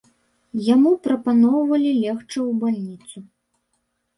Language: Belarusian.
Яму прапаноўвалі легчы ў бальніцу.